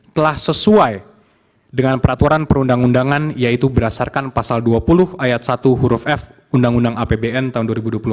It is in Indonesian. telah sesuai dengan peraturan perundang undangan yaitu berdasarkan pasal dua puluh ayat satu huruf f undang undang apbn tahun dua ribu dua puluh empat